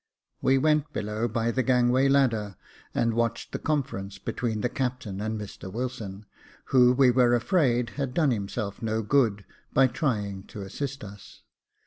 We went below by the gangway ladder, and watched the conference between the captain and Mr Wilson, who we were afraid had done himself no good by trying to assist us.